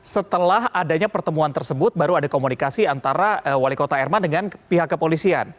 setelah adanya pertemuan tersebut baru ada komunikasi antara wali kota erman dengan pihak kepolisian